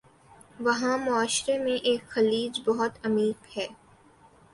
وہاں معاشرے میں ایک خلیج بہت عمیق ہے